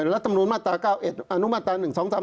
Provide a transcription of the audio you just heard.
และตำรวจมาตรา๙๑อนุมาตรา๑๒๓๔๕